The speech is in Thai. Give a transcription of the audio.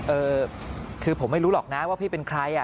เออคือผมไม่รู้หรอกนะว่าพี่เป็นใคร